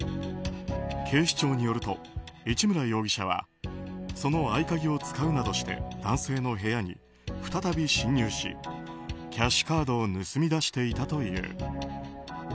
警視庁によると市村容疑者はその合鍵を使うなどして男性の部屋に再び侵入しキャッシュカードを盗み出していたという。